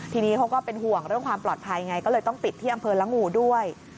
ทีนี้เขาก็เป็นห่วงเรื่องความปลอดภัยไงก็เลยต้องปิดที่อำเภอละงูด้วย